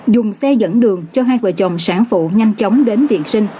dùng xe dẫn đường cho hai vợ chồng sản phụ nhanh chóng đến viện sinh